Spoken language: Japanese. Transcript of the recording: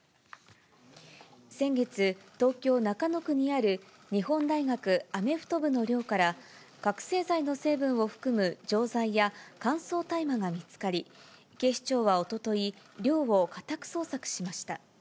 先月、東京・中野区にある日本大学アメフト部の寮から、覚醒剤の成分を含む錠剤や乾燥大麻が見つかり、警視庁はおととい、寮を家宅捜索しました。